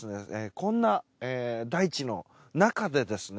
こんな大地の中でですね